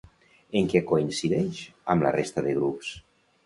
En què coincideix amb la resta de grups?